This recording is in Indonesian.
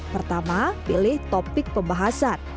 pertama pilih topik pembahasan